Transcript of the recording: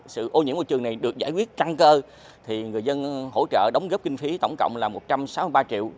sự ô nhiễm môi trường này được giải quyết căng cơ thì người dân hỗ trợ đóng góp kinh phí tổng cộng là một trăm sáu mươi ba triệu